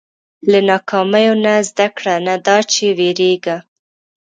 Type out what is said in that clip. • له ناکامیو نه زده کړه، نه دا چې وېرېږه.